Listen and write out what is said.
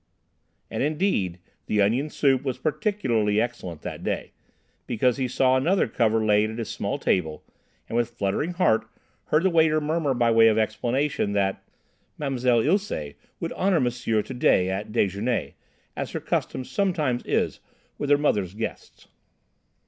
And, indeed, the onion soup was particularly excellent that day, because he saw another cover laid at his small table, and, with fluttering heart, heard the waiter murmur by way of explanation that "Ma'mselle Ilsé would honour M'sieur to day at déjeuner, as her custom sometimes is with her mother's guests."